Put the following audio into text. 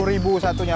rp dua puluh satunya